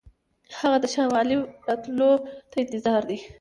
هغه د شاه عالم راتلو ته انتظار دی.